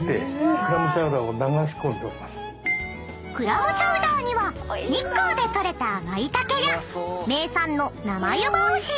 ［クラムチャウダーには日光で取れたまいたけや名産の生ゆばを使用］